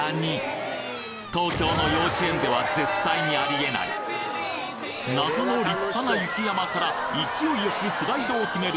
東京の幼稚園では絶対にあり得ない謎の立派な雪山から勢いよくスライドを決める